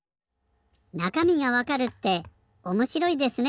なかみがわかるっておもしろいですね。